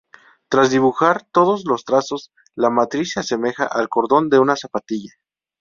Tras dibujar todos los trazos, la matriz se asemeja al cordón de una zapatilla.